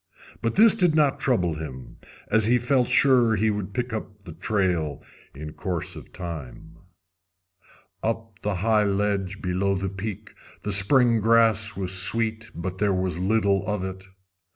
But this did not trouble him, as he felt sure he would pick up the trail in course of time. Up on the high ledge below the peak the spring grass was sweet, but there was little of it.